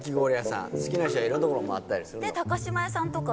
好きな人はいろんな所回ったりする。